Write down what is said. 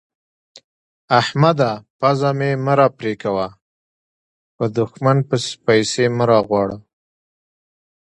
احمده! پزه مې مه راپرې کوه؛ به دوښمنه پيسې مه غواړه.